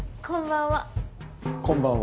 こんばんは。